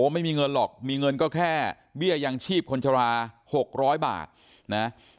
ไม่มีเงินหรอกมีเงินก็แค่เบี้ยยังชีพคนชรา๖๐๐บาทนะ